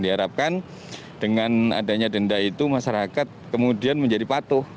diharapkan dengan adanya denda itu masyarakat kemudian menjadi patuh